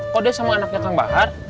kok dia sama anaknya kang bahar